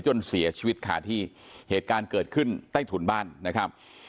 จนเสียชีวิตขาที่เหตุการณ์เกิดขึ้นใต้ถุนบ้านนะครับ